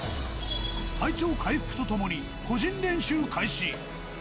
体調回復とともに、個人練習開始。